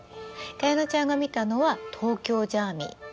加弥乃ちゃんが見たのは東京ジャーミイ。